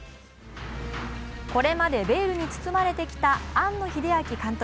これまでベールに包まれてきた庵野秀明監督